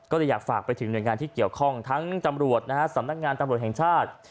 ก็เลยอยากฝากไปถึงหน่วยงานที่เกี่ยวข้องทั้งตำรวจนะฮะสำนักงานตำรวจแห่งชาติ